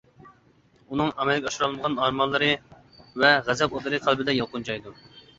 ئۇنىڭ ئەمەلگە ئاشۇرالمىغان ئارمانلىرى ۋە غەزەپ ئوتلىرى قەلبىدە يالقۇنجايدۇ.